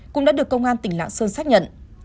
cũng đã được công an tỉnh lạng sơn xác nhận